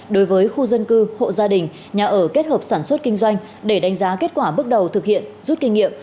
đối với khu dân cư hộ gia đình nhà ở kết hợp sản xuất kinh doanh để đánh giá kết quả bước đầu thực hiện rút kinh nghiệm